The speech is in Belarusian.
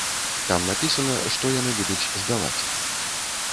Там напісана, што яны будуць здаваць.